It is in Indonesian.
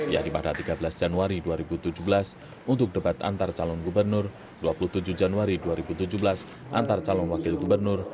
yaitu pada tiga belas januari dua ribu tujuh belas untuk debat antar calon gubernur dua puluh tujuh januari dua ribu tujuh belas antar calon wakil gubernur